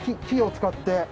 木を使って。